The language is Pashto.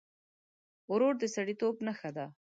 ورور د سړيتوب نښه ده.